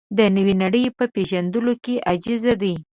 د نوې نړۍ په پېژندلو کې عاجز دی.